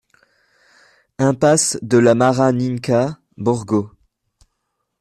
Impasse de la Maraninca, Borgo